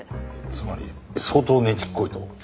つまり相当ねちっこいと？